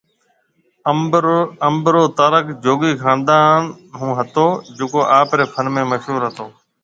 انب رو تعلق جوگي خاندان ھونھتو جڪو آپري فن ۾ مشھور ھتو